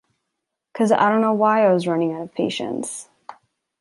Cause I don’t know why I was running out of patience.